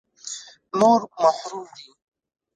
نور محروم دي.